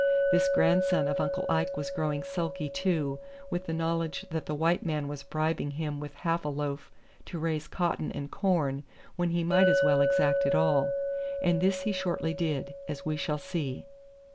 This grandson of Uncle Ike was growing sulky, too, with the knowledge that the white man was bribing him with half a loaf to raise cotton and corn when he might as well exact it all. And this he shortly did, as we shall see.